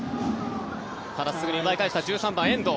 すぐに奪い返した１３番の遠藤。